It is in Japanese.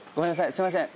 すいません